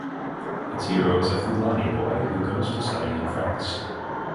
Its hero is a Fulani boy who goes to study in France.